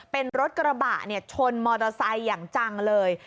เป็นรถกระบะชนมอเตอร์ไซค์อย่างจังเลย